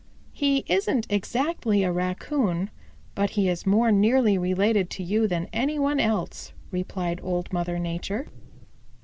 "He isn't exactly a Raccoon, but he is more nearly related to you than any one else," replied Old Mother Nature.